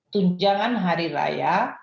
tunjangan hari raya